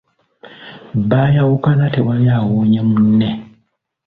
Baaayawukana tewali awuunye munne.